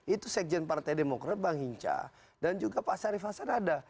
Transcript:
itu sekjen partai demokrat bang hinca dan juga pak sarif hasan ada